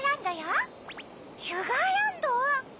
シュガーランドよ。